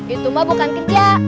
itu apostle bukan kerja